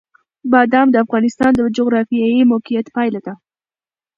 بادام د افغانستان د جغرافیایي موقیعت پایله ده.